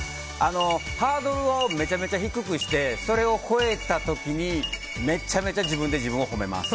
ハードルをめちゃめちゃ低くしてそれを越えた時にめちゃめちゃ自分で自分を褒めます。